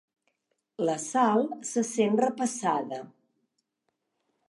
La Sal se sent repassada.